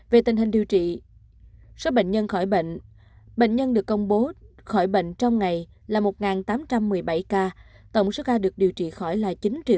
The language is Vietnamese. về tình hình điều trị số bệnh nhân khỏi bệnh bệnh nhân được công bố khỏi bệnh trong ngày là một tám trăm một mươi bảy ca tổng số ca được điều trị khỏi là chín ba trăm một mươi sáu